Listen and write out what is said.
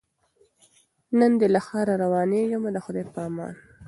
نن دي له ښاره روانېږمه د خدای په امان